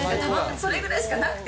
それくらいしかなくて。